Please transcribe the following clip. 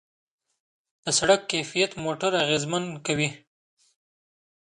د سړک کیفیت موټر اغېزمن کوي.